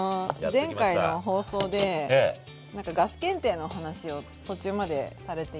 前回の放送でガス検定の話を途中までされていて。